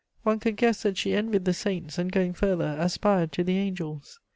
One could guess that she envied the saints and, going further, aspired to the angels.